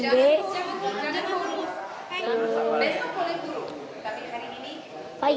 besok boleh guru tapi hari ini